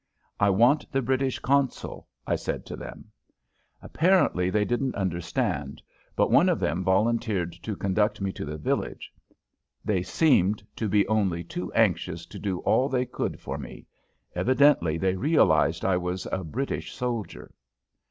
"I want the British consul," I told them. Apparently they didn't understand, but one of them volunteered to conduct me to the village. They seemed to be only too anxious to do all they could for me; evidently they realized I was a British soldier.